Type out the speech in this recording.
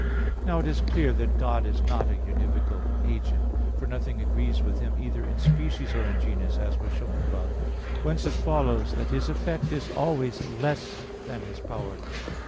Now it is clear that God is not a univocal agent. For nothing agrees with Him either in species or in genus, as was shown above (Q. 3, A. 5; Q. 4, A. 3). Whence it follows that His effect is always less than His power.